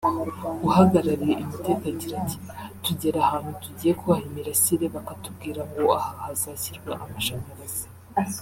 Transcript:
uhagarariye Innotech agira ati “Tugera ahantu tugiye kubaha imirasire bakatubwira ngo aha hazashyirwa amashanyarazi